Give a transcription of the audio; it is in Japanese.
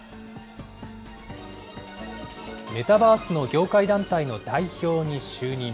メタバースの業界団体の代表に就任。